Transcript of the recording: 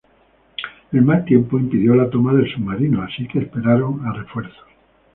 El mal tiempo impidió la toma del submarino, así que esperaron a refuerzos.